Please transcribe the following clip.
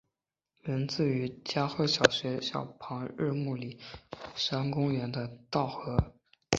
源自于加贺小学校旁日暮里山公园的稻荷。